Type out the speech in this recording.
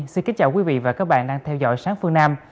xin kính chào quý vị và các bạn đang theo dõi sáng phương nam